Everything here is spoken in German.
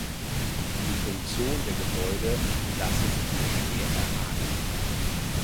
Die Funktion der Gebäude lasse sich nur schwer erahnen.